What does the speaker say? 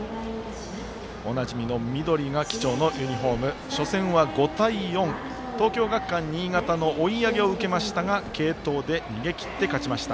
おなじみの緑が基調のユニフォーム初戦は５対４、東京学館新潟の追い上げを受けましたが継投で逃げきって勝ちました。